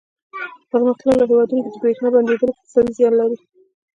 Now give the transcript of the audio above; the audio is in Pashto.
په پرمختللو هېوادونو کې د برېښنا بندېدل اقتصادي زیان لري.